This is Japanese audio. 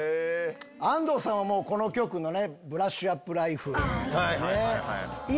安藤さんはこの局の『ブラッシュアップライフ』。